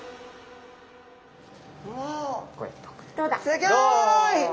すギョい！